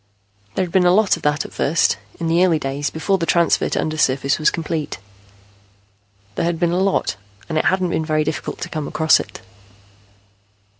There had been a lot of that at first, in the early days before the transfer to undersurface was complete. There had been a lot, and it hadn't been very difficult to come across it.